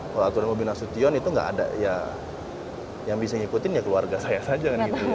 kalau aturan bobi nasution itu nggak ada ya yang bisa ngikutin ya keluarga saya saja